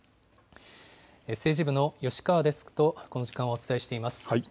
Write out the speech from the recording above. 政治部の吉川デスクとこの時間はお伝えしています。